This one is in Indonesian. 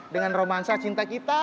dengan romansa cinta kita